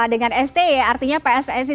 dengan sti artinya pssi